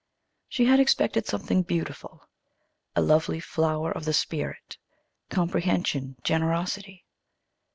She had expected something beautiful, a lovely flower of the spirit comprehension, generosity.